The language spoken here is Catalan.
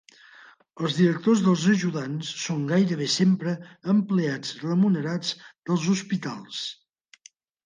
Els directors dels ajudants són gairebé sempre empleats remunerats dels hospitals.